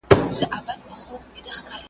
خره چی دا خبری واورېدې حیران سو .